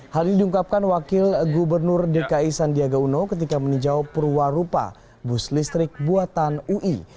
hal ini diungkapkan wakil gubernur dki sandiaga uno ketika meninjau perwarupa bus listrik buatan ui